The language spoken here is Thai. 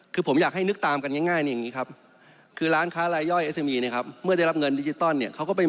คือผมอยากให้นึกตามกันง่ายอย่างนี้ครับ